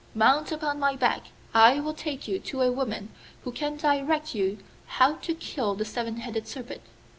Mount upon my back: I will take you to a woman who can direct you how to kill the Seven headed Serpent.